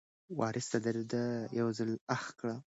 وارث له درده یو ځل اخ کړ.